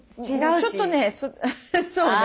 ちょっとねそうね。